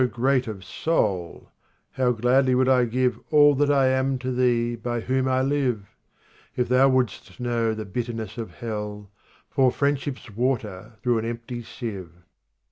49 great of soul ! How gladly would I give All that I am to thee by whom I live ! If thou wouldst know the bitterness of hell, Pour friendship's water through an empty sieve.